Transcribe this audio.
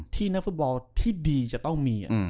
นักฟุตบอลที่ดีจะต้องมี